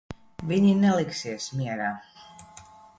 Viņi neliksies mierā.